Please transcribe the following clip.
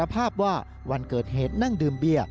ภาพว่าวันเกิดเหตุนั่งดื่มเบียร์